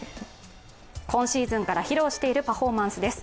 今シーズンから披露しているパフォーマンスです。